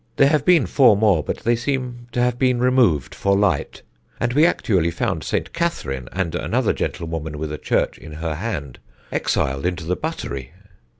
There have been four more, but they seem to have been removed for light; and we actually found St. Catherine, and another gentlewoman with a church in her hand, exiled into the buttery.